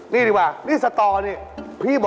นี่คือสตอร์นะครับ